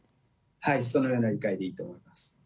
そのような理解でいいと思います。